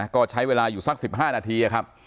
ก็ใช้เวลาอยู่สัก๑๕นาทีครับ